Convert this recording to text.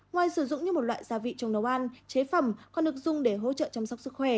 ngoài sử dụng như một loại gia vị trong nấu ăn chế phẩm còn được dùng để hỗ trợ chăm sóc sức khỏe